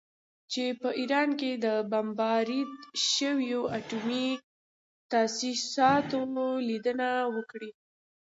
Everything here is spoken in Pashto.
چې په ایران کې د بمبارد شویو اټومي تاسیساتو لیدنه وکړي